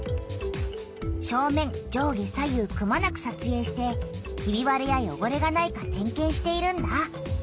正面上下左右くまなくさつえいしてひびわれやよごれがないか点けんしているんだ。